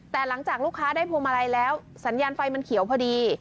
แต่หลังจากลูกค้าได้พวงมาลัยแล้วสัญญาณไฟมันเขียวพอดี